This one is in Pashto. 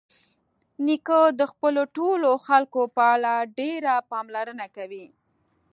نیکه د خپلو ټولو خلکو په اړه ډېره پاملرنه کوي.